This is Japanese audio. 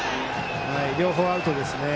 両方アウトですね。